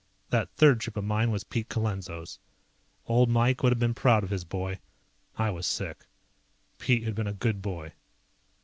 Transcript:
That third ship of mine was Pete Colenso's. Old Mike would have been proud of his boy. I was sick. Pete had been a good boy.